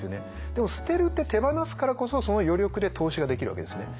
でも捨てるって手放すからこそその余力で投資ができるわけですね。